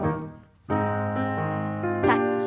タッチ。